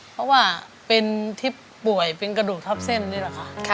เพราะว่าเป็นที่ป่วยเป็นกระดูกทับเส้นนี่แหละค่ะ